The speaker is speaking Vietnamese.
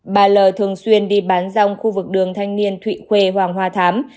bà l thường xuyên đi bán dòng khu vực đường thanh niên thụy khuê hoàng hoa thám